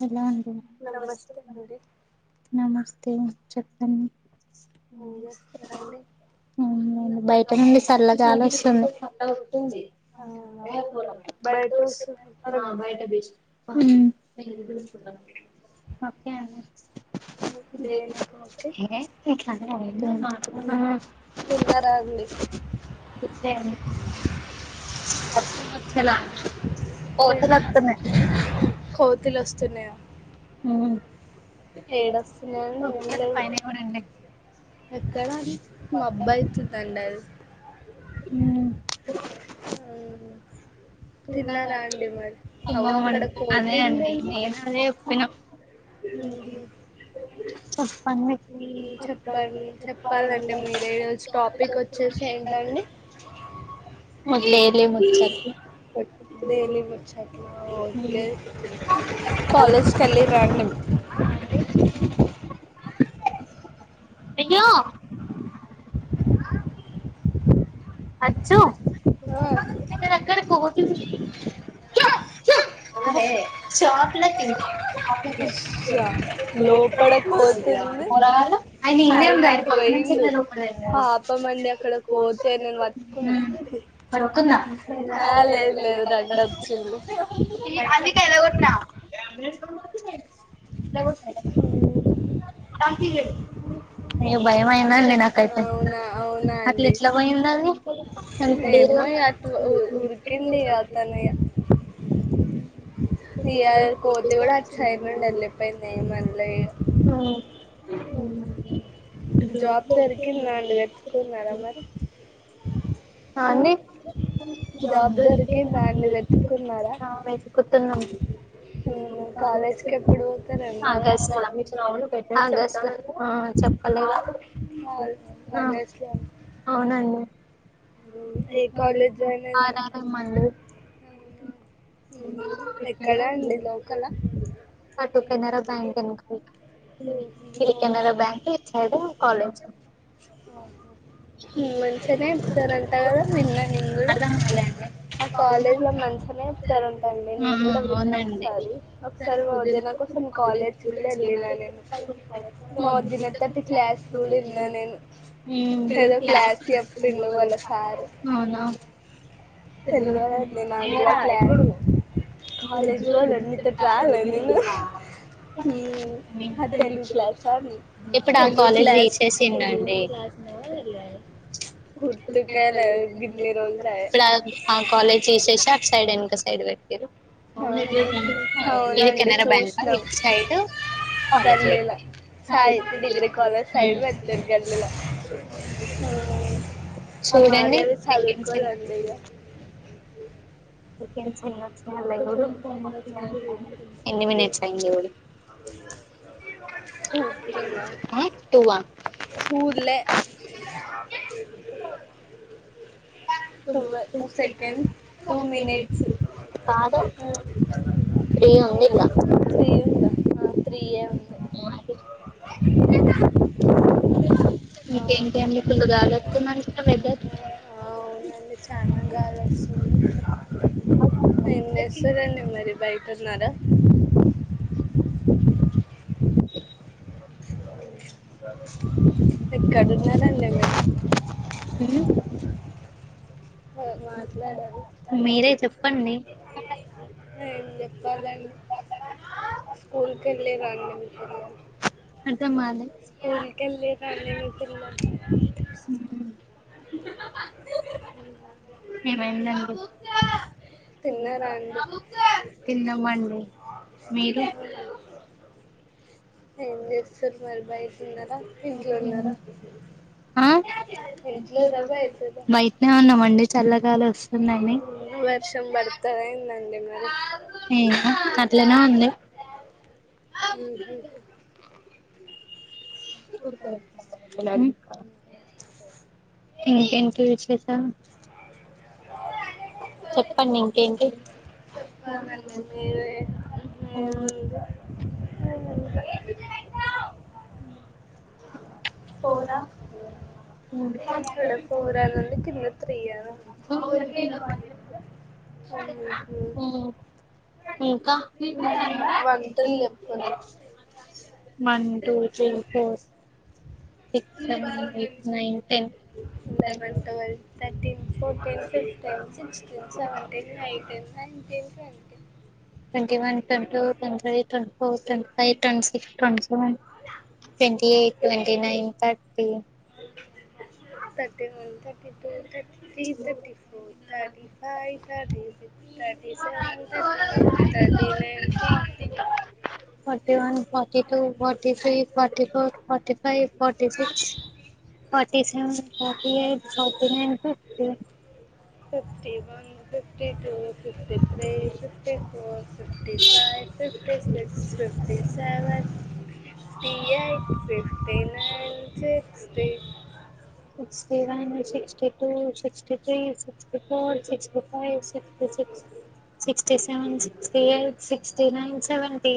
Hello అండి నమస్తే నమస్తే అ చెప్పలని ఏం చేస్తారండి బయట నుండి చల్లగాలీ వస్తుంది ఆ బయట బయట బేజ ఉ ఓకే అండి దేదక ఓకే తిన్నారా అండి [unintelligible] [unintelligible] కోతులు వస్తున్నాయా ఏడొస్తున్నాయండి పైన కూడా అండి ఎక్కడా మబ్బాయితుందండి అది ఉ తిన్నారా అండి మరి అవ అక్కడ అదే కోతి అండి ఉందేంటి నేను అదే చెప్పిన చెప్పండి ఉ చెప్పాల చెప్పాలండి మీర రోజు టాపిక్ వచ్చేసి ఏంటండి మొదల ముచ్చ డైలీ ముచ్చాట్లా ఓకే కాలేజ్కి వెళ్ళి రండి [inaudible] అయ్యో అచ్చు అక్కడ కోతీ ఉంది అచ్చా లోపడ కోతుంది [unintelligible] ళ అయన ఇదేంందియన పక్క నుంచితే రూపలేండి అప్ప మండి అక్కడ పోతే నేను వ [unintelligible] ఆ లేదు లేదు రండి వచ్చిండు ఎలాగోటిన్ క [unintelligible] భయం అయిందండి చెప్ నాకైతే అవునా అవునా అట్లా అండి ఎట్లా పోయింద అది ఏమో ఇగ అటు ఉరికిండు ఇగ అతను [inaudible] న కోతిగూడ అచ్చయినండలో ఇప్పు మల్ దొరికిందా అండి వెతుకున్నారా [inaudible] అ మరి జాబ్ జబ్దారకిమె దొరికిందా అండి వెతుక్కున్నారా కొ నేను స చ కాలేజ్కి ఎప్పుడు పోతారండి పెట్ట ఆ చెప్పాల ఆగస్ట్లో అవునండి ఏ కాలేజ్ జాయిన్ అయిదాం ఆరం మ అనుకుంటున్నారు ఎక్కడ అండి లోకలా పటు కెనరా బ్యాంక్ను ఇది అవునా కెనరా బ్యాంక్ ఇచ్చయి కాలేజ్ మంచించనే ఇతార కట్ట మన్న నింగ అర్థం కాలే అండి ఆ కాలేజ్ లో మంచిగానే చెప్తారుంటండి ఆ నేను కూడా విన్న ఒకసారి ఒకసారి వద నాకుసారి కజ భజ ఫ్ల మా వదిన తోటి క్లాస్ కూడా విన్నా నేను ఏదో గరువునా క్లాస్ చెప్పిండు వాళ్ళ సారు తె తెల్వదండి నాకు కూడా క్లా కాలేజ్ ప్రజ్వల్. పోలేదు నీతో రాలే నేను ఆ తెలుగు క్లాసా ఇప్పుడు ఆ కాలేజ్ తీసేసిల్ల. గ్రమ్ క్లాస్ కా వెళ్ళాలి. ఇప్పుడు ఆ కాలేజ్ తిసేసి అటు సైడ్ ఎనక సైడ్ పట్టీలు. ఇది అవునండి కెనరా బ్యాంక్ అ చూసినాం ఇటు సైడ్ కాలేజ్ గల్లీల పెట్టిండ్రు. సాహిత్య డిగ్రీ కాలేజ్ సైడ్ హుమ్. పెడతారు గల్లీల ఆ చూడండి. మాధవి చదువుకోదండి ఇగ అక్కడ చూడు ఎన్ని మినిట్స్ అయింది చూడు. ఆ టూ ఆ సులె. [inaudible] టువ్ టు సెకండ్స్ టూ మినిట్స్. కాదు త్రీ త్రీ ఉంది ఇల్లా. త్రీయే ఉంది. మీకేంటి అండి ఫుల్లు గాలు వస్తుంది వెదర్. అగో చూడు. అ. ఏం చేస్తున్నారండి మరి బయట ఉన్నారా. [inaudible] ఎక్కడున్నారండి మీరు. హ మాట్లాడాలి. మీరే చెప్పండి ఇంకా ఏం చెప్పదండి. స్కూల్ కెళ్ళిరా అండి మీ పిల్లలు. అర్థం కాలే స్కూల్ కెళ్ళి రండి మీ పిల్లలు. హుమ్. హమ్ ఏమైందండి. తిన్నారా అండి తిన్నామండి. మీరు ఆహా. ఏం చేస్తున్నారు మరి బయట ఉన్నారా ఇంట్లో ఉన్నారా. ఆ అ బయటనే ఉన్నాంమండి చల్లగాలీ వస్తుందని. వర్షం పడతదా ఏందండి మరి ఏం కాదు అట్లానే ఉంది. ఉహు. ఇంకేంటి విశేషాలు. [inaudible] చెప్పండి ఇంకేంటి. ఏం లేదు ఏముంది. ఇంకా. పోనా. ఇక్కడ ఫోర్ అని ఉంది కింద త్రీ అని ఉంది. Four, three. ఇంకా. వన్ టు లెప్పురి two, three, four. Six, seven, eight, nine, ten. Eleven twelve thirteen fourteen, fifteen, sixteen, seventeen, eighteen, nineteen, twenty. Twenty one, twenty two, twenty three twenty four, twenty five, twenty six. ట్వ eight, ట్వ nine, thirty. Thirty one. Thirty three, thirty four, thirty five. Thirty seven, thirty eight, thirty nine, forty. Forty one forty two forty three forty four forty five forty forty six forty seven forty eight forty nine fifty fifty one fifty two fifty three fifty four fifty five fifty six fifty seven fifty eight fifty nine sixty sixty one sixty two sixty three sixty four sixty five sixty six sixty seven sixty eight sixty nine seventy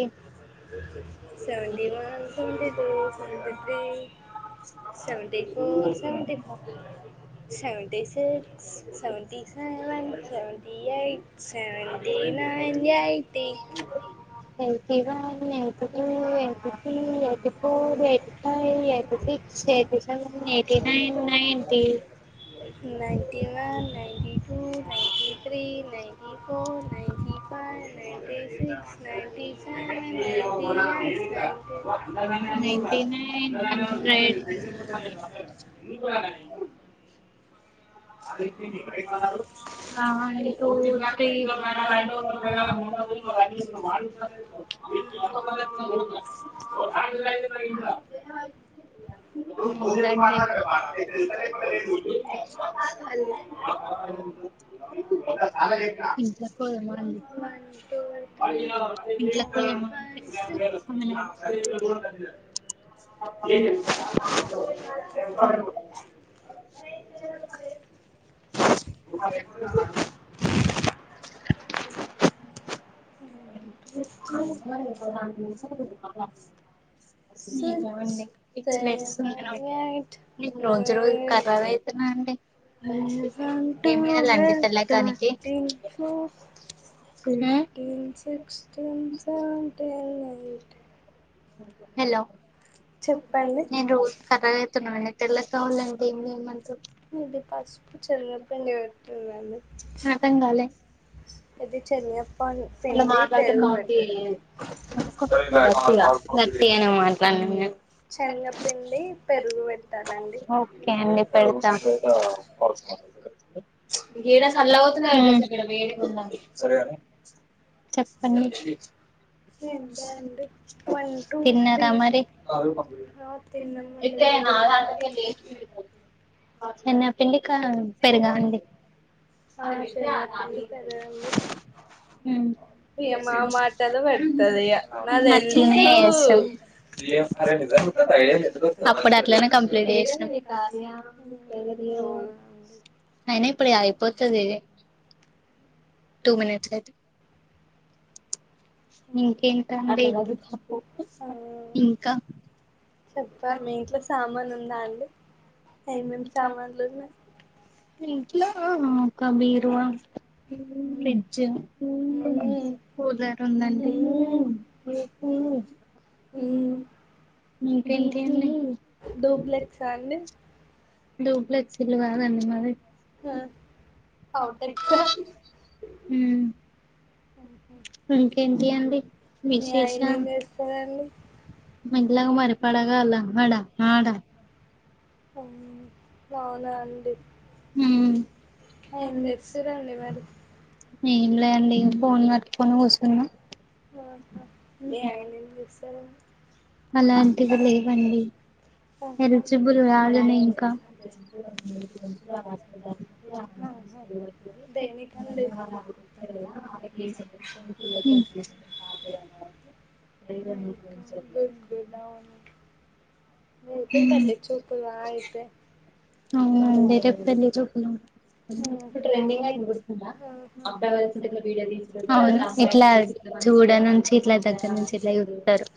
seventy one seventy two seventy three seventy four seventy five seventy six seventy seven seventy eight seventy nine eighty eighty one eighty two eighty three eighty four eighty five eighty six eighty seven eighty nine ninety ninety one ninety two ninety four ninety five ninety six ninety ninety eight ninety nine ఎ ninety nine నా ఎందుకు hundred seventy [unintelligible] [unintelligible] [inaudible] [inaudible] [inaudible] ఇ [unintelligible] [inaudible] one two [inaudible] three [inaudible] అ [unintelligible] ఏ [unintelligible] [inaudible] [inaudible] [unintelligible] [inaudible] [inaudible] [inaudible] six seven eight నీకు రోజు రోజుకు nine కర్రగ ten అయితున్నా వేంటి [inaudible] తెల్లగానికి fifteen sixteen seventeen eighteen hello చెప్పండి నేను రోజు కర్రగా అయితున్న మండి తెల్లస్తాళ్ాలంటేమంత [unintelligible] ఇది పసుపు శనగ పిండి పెట్టిరండి అర్థం కాలే [unintelligible] శెనగ పిండి పెరుగు పెట్టా త సత అ న మాట్లాడలేంను శనగపిండి పెరుగు పెట్టాలండి [unintelligible] ఓకే అండి పెడతా ఏడా సల్లగా అవుతున్నా ఇడ వేడిగా ఉందండి సరే గానీ చెప్పండి ఏంటా అండి వన్ టూ తిన్నార త్రీ మరి ఆ తిన్నామండి మీరు తిన్నారా నాి [unintelligible] పెరుగా అండి ఆ శనగపిండి [unintelligible] [inaudible] హమ్ ఇగ మా మాటలు పెడతది ఇగ నాకు మంచిగనే తెలుసు వేస్తావ్ అప్పుడు అట్లనే కంప్లీట్ చేసినాం హమ్ అయినా ఇప్పుడు అయిపోతది టూ మనిట్స్ అయితే ఇంకేంటి అండి ఇంకా చెప్పా మీ ఇంట్లో సామాను ఉందా అండి ఏమేమి సామాన్లు ఉన్నాయి ఇంట్లో ఒక బీరువా [unintelligible] ఫ్రిడ్జ్ మ్మ్ కూలర్ ఉందండి మ్మ్ మ్మ్ హమ్ ఇంకేంటి అండి డూప్లెక్స అండి డుబ్లెక్స్ ఇల్లు కదండి మాది [unintelligible] ఇంకేంటి అండి మీ ఆయన ఏం విశేషాలు చేస్తారండి ఎలాంగా మరి పడగా అలా మ [unintelligible] అవునా అండి ఏం తెస్తురండి మరి ఏంలే అండి ఫోన్ పట్టుకొని కూసున్నా హమ్ హు మీ ఆయన ఏం చెస్ అలాంటివి లేవండి ఎలిజిబుల్ కాదని ఇంకా డాడ కొంచెం నే [unintelligible] [unintelligible] నతే పలి చూపులు అయితే అవునండి రెపల్ ఇప్పుడు ట్రెండింగ్ అయిందిాఅబ్ అవల వీడియో తీ ఇట్లా చూడ నుంచి ఇట్లా దగ్గర నుంచి ఇట్లా ఇతారు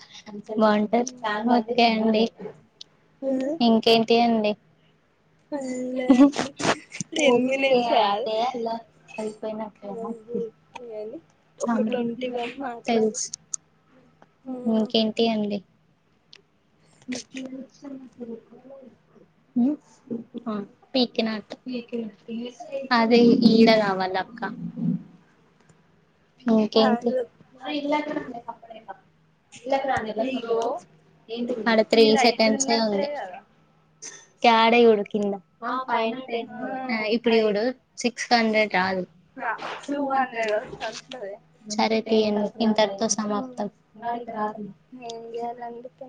బాగుంటారు చాలా ఓే అండి [unintelligible] ఉమ్ ఇంకేంటి అండి టెన్ మినిట్స్ కాదు ఊ [inaudible] అని ఒక ట్వంటీ వరకు మాట్లాడు తెలుసు ఇంకేంటి అండి పీకినా అదే ఈడ కావాల అక్క అ ఇంకేంటి ఇగో ఆడ త్రీ ఈ ఈడ సెకండ్స్ అయితున్నట్టే కదా కడ ఉడు కింద ఇప్పు ఫైవ్ ఉడు సిక్స్ హండ్రెడ్ [inaudible] టూ హండ్రెడ్ వస్తది సరే ను ఇంతతో సమాప్తం ఏం చేయాలండి టెన్